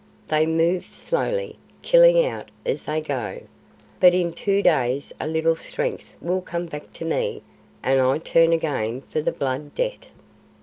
They move slowly, killing out as they go, but in two days a little strength will come back to me and I turn again for the Blood Debt.